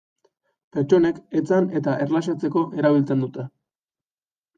Pertsonek etzan eta erlaxatzeko erabiltzen dute.